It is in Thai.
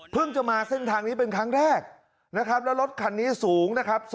จะมาเส้นทางนี้เป็นครั้งแรกนะครับแล้วรถคันนี้สูงนะครับ